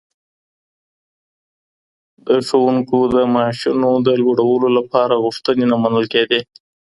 د ښوونکو د معاسونو د لوړولو لپاره غوښتنې نه منل کيدې.